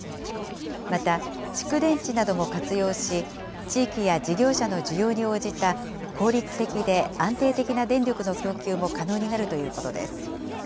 また、蓄電池なども活用し、地域や事業者の需要に応じた効率的で安定的な電力の供給も可能になるということです。